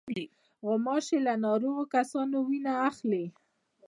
غوماشې له ناروغو کسانو وینه اخلي.